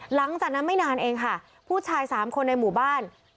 หลังจากนั้นไม่นานเองค่ะผู้ชายสามคนในหมู่บ้าน